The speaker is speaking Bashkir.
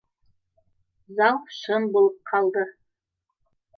Зал шым булып ҡалды